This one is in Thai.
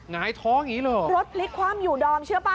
ไงอย่างงี้เหรอรถเรียกความอยู่ดอมเชื่อปะ